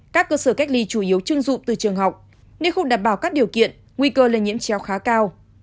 các cơ sở cách ly chủ yếu trưng dụng từ trường học nếu không đảm bảo các điều kiện nguy cơ là nhiễm treo khá cao